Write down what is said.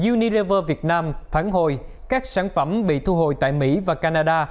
unirever việt nam phản hồi các sản phẩm bị thu hồi tại mỹ và canada